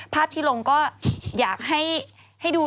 ภาพที่ลงก็อยากให้ดู